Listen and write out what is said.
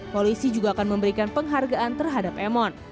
polisi juga akan memberikan penghargaan terhadap emon